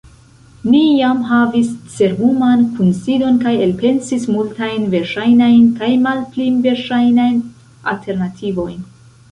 Ni jam havis cerbuman kunsidon kaj elpensis multajn verŝajnajn kaj malpli verŝajnajn alternativojn.